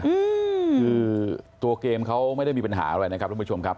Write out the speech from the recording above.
อืมคือตัวเกมเขาไม่ได้มีปัญหาอะไรนะครับทุกผู้ชมครับ